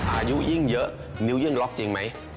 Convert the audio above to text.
อายุยิ่งเยอะนิ้วยิ่งล็อกจริงไหม